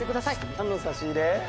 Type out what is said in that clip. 「なんの差し入れ？」